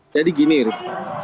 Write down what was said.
jadi gini rif